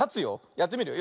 やってみるよ。